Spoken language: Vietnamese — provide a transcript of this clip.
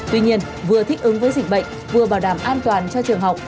tuy nhiên vừa thích ứng với dịch bệnh vừa bảo đảm an toàn cho trường học